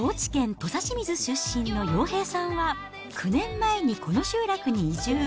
土佐清水出身の洋平さんは、９年前にこの集落に移住。